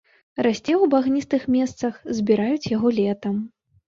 Расце ў багністых месцах, збіраюць яго летам.